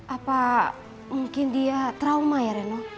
apa mungkin dia trauma ya reno